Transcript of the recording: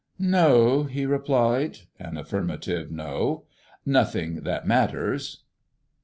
"No," he replied an affirmative "no," "nothing that matters."